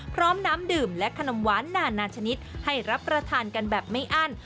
พร้อมน้ำดื่มและขนมหวานนานาชนิดให้รับประทานกันแบบไม่อั้น